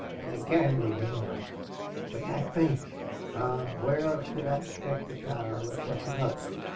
In a gamblin' hell! But that face!... Ah! where else could I expect the child of such a mother?